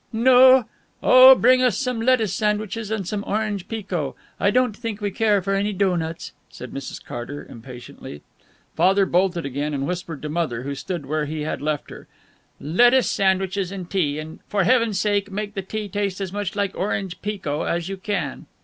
"No oh, bring us some lettuce sandwiches and some orange pekoe. I don't think we care for any doughnuts," said Mrs. Carter, impatiently. Father bolted again, and whispered to Mother, who stood where he had left her, "Lettuce sandwiches and tea, and for Heaven's sake make the tea taste as much like orange pekoe as you can."